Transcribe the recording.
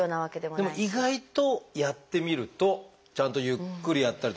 でも意外とやってみるとちゃんとゆっくりやったりとか。